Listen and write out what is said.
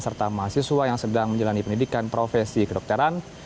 serta mahasiswa yang sedang menjalani pendidikan profesi kedokteran